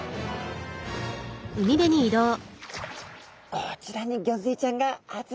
こちらにギョンズイちゃんが集まってますね。